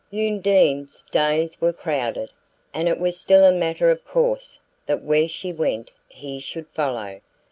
Undine's days were crowded, and it was still a matter of course that where she went he should follow.